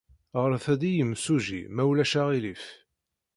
Ɣret-d i yemsujji, ma ulac aɣilif.